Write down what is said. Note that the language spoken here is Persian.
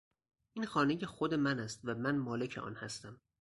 این خانهی خود من است و من مالک آن هستم.